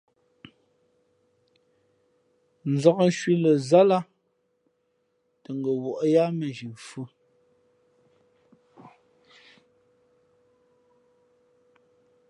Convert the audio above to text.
Nzāk nshui lά zal ā tα ngα̌ wᾱʼ yāā mēnzhi mfhʉ̄.